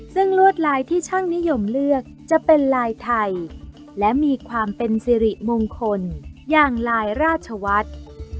ซึ่งลวดลายที่ช่างนิยมเลือกจะเป็นลายไทยและมีความเป็นสิริมงคลอย่างลายราชวัฒน์